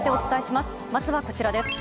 まずはこちらです。